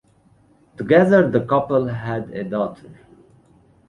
Together, the couple had a daughter.